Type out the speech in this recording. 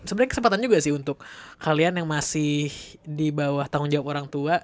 sebenernya kesempatan juga sih untuk kalian yang masih di bawah tanggung jawab orang tua